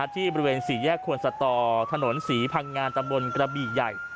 ที่บริเวณสี่แยกควนสตอถนนศรีพังงานตำบลกระบี่ใหญ่